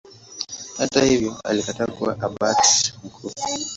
Hata hivyo alikataa kuwa Abati mkuu.